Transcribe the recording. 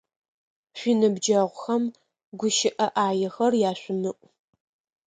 Шъуиныбджэгъухэм гущыӏэ ӏаехэр яшъумыӏу!